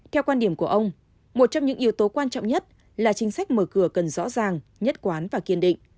theo quan điểm của ông một trong những yếu tố quan trọng nhất là chính sách mở cửa cần rõ ràng nhất quán và kiên định